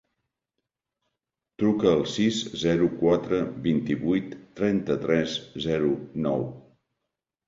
Truca al sis, zero, quatre, vint-i-vuit, trenta-tres, zero, nou.